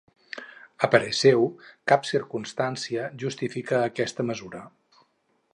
A parer seu, cap circumstància justifica aquesta mesura.